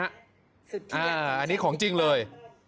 อันนี้ของจริงเลย